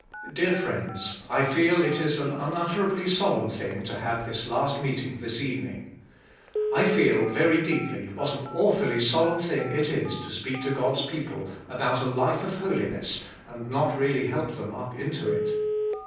Dear friends, I feel it is an unutterably solemn thing to to have this last meeting this evening. I feel, very deeply, what an awfully solemn thing it is to speak to God's people about alif e of holiness and not really help them up into it.